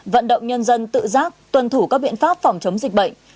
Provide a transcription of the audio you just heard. vận động nhân dân tự giác tuân thủ các biện pháp phòng chống dịch bệnh